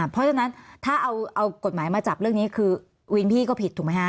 เพราะฉะนั้นถ้าเอากฎหมายมาจับเรื่องนี้คือวินพี่ก็ผิดถูกไหมฮะ